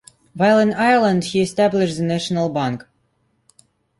While in Ireland he established the National Bank.